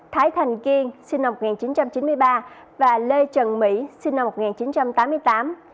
thái thành kiên sinh năm một nghìn chín trăm chín mươi ba và lê trần mỹ sinh năm một nghìn chín trăm tám mươi tám